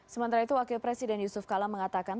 sementara itu wakil presiden yusuf kala mengatakan